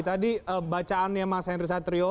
tadi bacaannya mas henry satrio